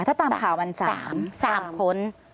ถ้าตามข่าวมัน๓คน